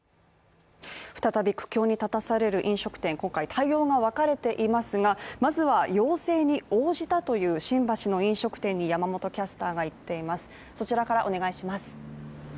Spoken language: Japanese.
再び苦境に立たされる飲食店今回対応がわかれていますが、まずは要請に応じたという新橋の飲食店に山本キャスターが行っています。